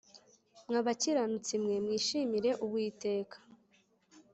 Mwa bakiranutsi mwe mwishimire Uwiteka